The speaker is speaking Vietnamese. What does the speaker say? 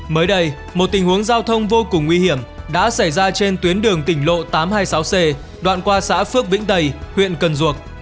mới đây một tình huống giao thông vô cùng nguy hiểm đã xảy ra trên tuyến đường tỉnh lộ tám trăm hai mươi sáu c đoạn qua xã phước vĩnh tây huyện cần duộc